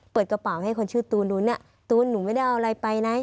เปิดกระเป๋าให้คนชื่อตูนนู้นตูนหนูไม่ได้เอาอะไรไปนะ